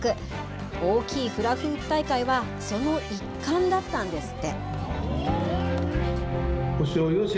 大きいフラフープ大会は、その一環だったんですって。